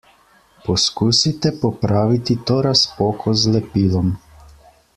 Poskusite popraviti to razpoko z lepilom.